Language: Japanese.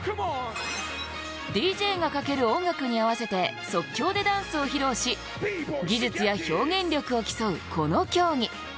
ＤＪがかける音楽に合わせて即興でダンスを披露し技術や表現力を競う、この競技。